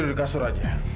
eh nggak usah kak fadil